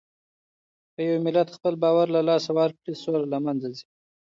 که يو ملت خپل باور له لاسه ورکړي، سوله له منځه ځي.